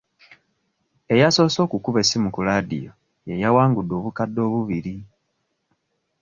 Eyasoose okukuba essimu ku laadiyo ye yawangudde obukadde obubiri..